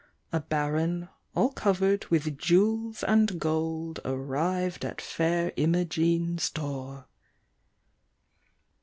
A Baron, all covered with jewels and gold, Arrived at Fair Imogene's door.